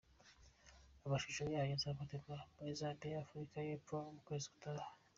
Amashusho yayo azafatirwa muri Zambia na Afurika y’Epfo mu Kwezi gutaha.